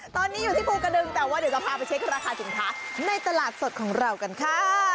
ตอนนี้อยู่ที่ภูกระดึงแต่ว่าเดี๋ยวจะพาไปเช็คราคาสินค้าในตลาดสดของเรากันค่ะ